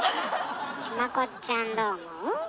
まこっちゃんどう思う？